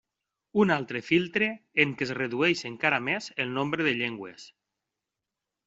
Un altre filtre en què es redueix encara més el nombre de llengües.